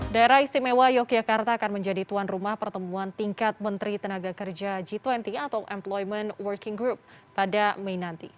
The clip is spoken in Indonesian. daerah istimewa yogyakarta akan menjadi tuan rumah pertemuan tingkat menteri tenaga kerja g dua puluh atau employment working group pada mei nanti